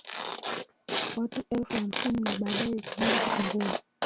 watu elfu hamsini Na baadaye ikaanza kupungua